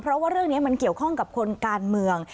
เพราะว่าเรื่องนี้มันเกี่ยวข้องกับคนการเมือง